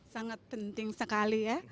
sangat penting sekali